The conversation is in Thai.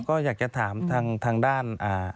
ก็อยากจะถามทางด้าน